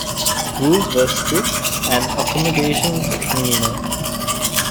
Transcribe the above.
Rules were strict and accommodations minimal.